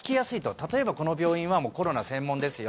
例えば、この病院はもうコロナ専門ですよ